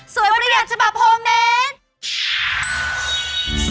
สวยประหยัดฉบับโฮเมส